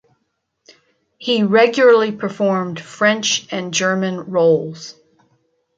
He regularly performed French and German roles.